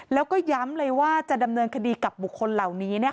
แล้วก็ย้ำเลยว่าจะดำเนินคดีกับบุคคลเหล่านี้